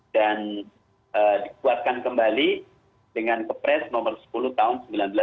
dan dikuatkan kembali dengan kepres nomor sepuluh tahun seribu sembilan ratus tujuh puluh satu